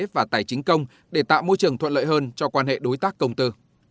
và tài chính công để tạo môi trường thuận lợi hơn cho quan hệ đối tác công tư